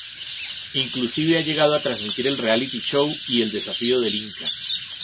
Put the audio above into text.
Inclusive ha llegado a transmitir el Reality show y El Desafío del Inca.